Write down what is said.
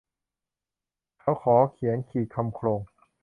เขาขอเขียนขีดคำโคลง